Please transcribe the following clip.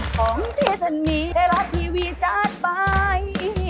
ของที่ท่านมีไทยรัฐทีวีจัดไป